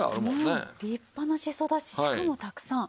立派なしそだししかもたくさん。